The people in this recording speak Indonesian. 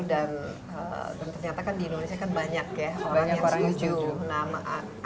dan ternyata kan di indonesia kan banyak ya orang yang setuju